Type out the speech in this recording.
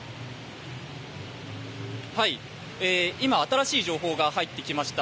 今、新しい情報が入ってきました。